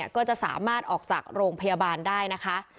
ก็จะสามารถออกจากโรงพยาบาลได้นะคะ